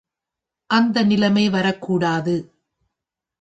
அந்த நிலைமை வரக்கூடாது.